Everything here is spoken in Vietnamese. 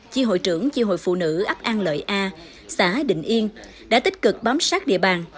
chi hội trưởng chi hội phụ nữ ấp an lợi a xã đình yên đã tích cực bám sát địa bàn